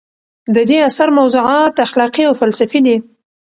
د دې اثر موضوعات اخلاقي او فلسفي دي.